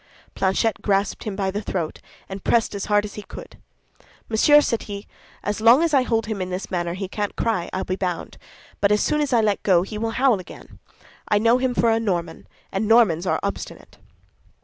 Planchet grasped him by the throat, and pressed as hard as he could. "Monsieur," said he, "as long as I hold him in this manner, he can't cry, I'll be bound; but as soon as I let go he will howl again. I know him for a Norman, and Normans are obstinate."